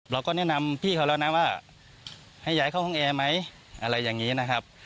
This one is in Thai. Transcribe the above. เราก็แนะนำพี่เขาแล้วนะว่าให้ย้ายเข้าห้องแอร์ไหมอะไรอย่างนี้นะครับ